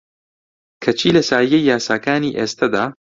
کەچی لە سایەی یاساکانی ئێستەدا